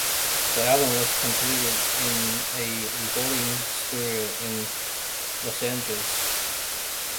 The album was completed in a recording studio in Los Angeles.